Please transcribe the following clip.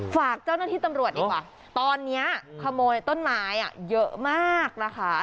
ฝากเจ้าหน้าที่ตำรวจดีกว่าตอนนี้ขโมยต้นไม้เยอะมากนะคะ